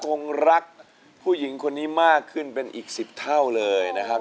คงรักผู้หญิงคนนี้มากขึ้นเป็นอีก๑๐เท่าเลยนะครับ